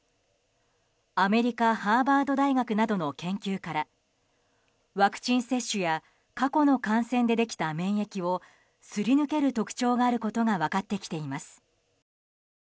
アメリカハーバード大学などの研究からワクチン接種や過去の感染でできた免疫をすり抜ける特徴があることが分かってきています。